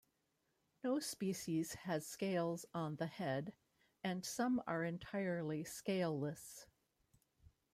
No species has scales on the head, and some are entirely scaleless.